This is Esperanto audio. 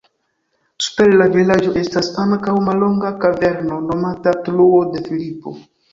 Super la vilaĝo estas ankaŭ mallonga kaverno nomata Truo de Filipo.